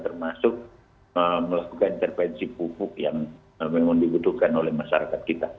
termasuk melakukan intervensi pupuk yang memang dibutuhkan oleh masyarakat kita